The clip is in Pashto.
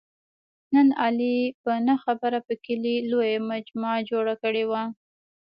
نن علي په نه خبره په کلي لویه مجمع جوړه کړې وه.